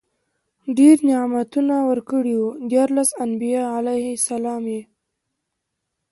ډير نعمتونه ورکړي وو، ديارلس انبياء عليهم السلام ئي